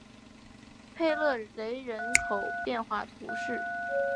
佩勒雷人口变化图示